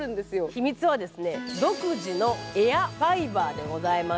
秘密は独自のエアファイバーでございます。